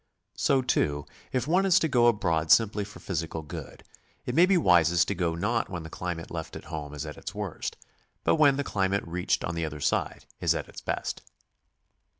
So, too, if one is to go abroad simply for physical good, it may be wisest to go not when the climate left at home is at its worst, but when the climate reached on the other side is at its best.